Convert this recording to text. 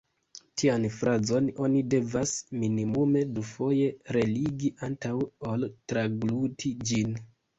Tian frazon oni devas minimume dufoje relegi antaŭ ol tragluti ĝin.